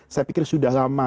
saya pikir sudah lama